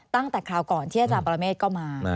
ตั้งแต่คราวก่อนที่อาจารย์ปรเมฆก็มา